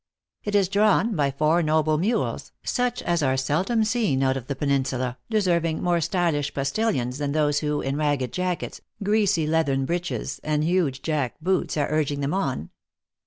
It is drawn 14 THE ACTRESS IN HIGH LIFE. by four noble mules, such as are seldom seen out of the peninsula, deserving more stylish postillions than those who, in ragged jackets, greasy leathern breeches and huge jack boots, are urging them on.